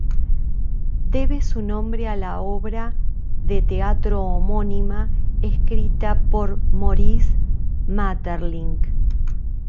Debe su nombre a la obra de teatro homónima escrita por Maurice Maeterlinck.